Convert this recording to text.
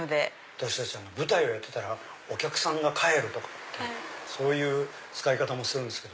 私たち舞台をやってたらお客さんが帰るとかってそういう使い方もするんですけど。